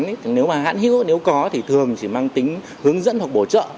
nếu mà hãn hữu nếu có thì thường chỉ mang tính hướng dẫn hoặc bổ trợ